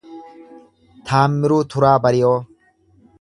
Taammiruu Turaa Bariiyoo